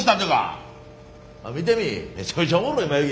見てみい。